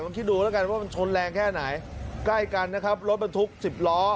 คิดดูแล้วกันว่ามันชนแรงแค่ไหนใกล้กันนะครับรถบรรทุกสิบล้อ